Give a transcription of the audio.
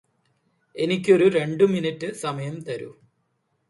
എനിക്കൊരു രണ്ടു മിനിറ്റ് സമയം തരൂ